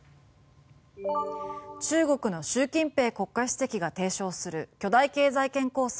中国の習近平国家主席が提唱する巨大経済圏構想